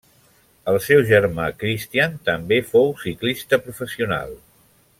El seu germà Christian també fou ciclista professional.